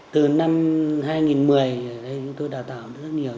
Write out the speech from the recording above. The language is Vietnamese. từ năm hai nghìn một mươi tôi đào tạo rất nhiều